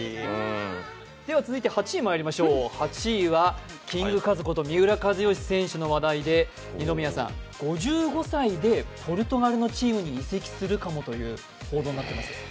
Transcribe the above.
続いて８位はキングカズこと三浦知良選手の話題で二宮さん、５５歳でポルトガルのチームに移籍するかもという報道になっています。